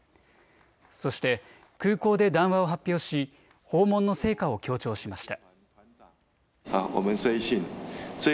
そして空港で談話を発表し訪問の成果を強調しました。